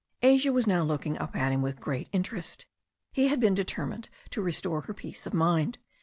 Asia was now looking up at him with great interest. He had been determined to restore her peace of mind.